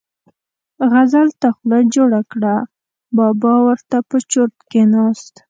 غزل ته خوله جوړه کړه، بابا ور ته په چرت کېناست.